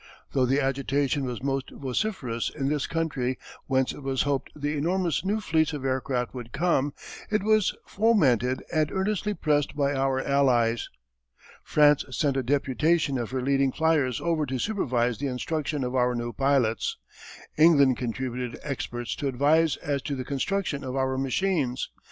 Though the agitation was most vociferous in this country whence it was hoped the enormous new fleets of aircraft would come, it was fomented and earnestly pressed by our Allies. France sent a deputation of her leading flyers over to supervise the instruction of our new pilots. England contributed experts to advise as to the construction of our machines.